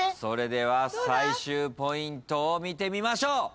それでは最終ポイントを見てみましょう！